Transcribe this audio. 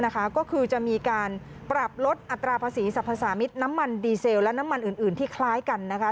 ก็คือจะมีการปรับลดอัตราภาษีสรรพสามิตรน้ำมันดีเซลและน้ำมันอื่นที่คล้ายกันนะคะ